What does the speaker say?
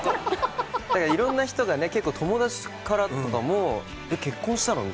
いろんな人が、結構友達からも、えっ結婚したの？